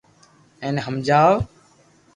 ايني ھمجاو